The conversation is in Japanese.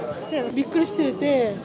びっくりしてて。